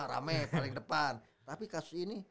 rame paling depan tapi kasus ini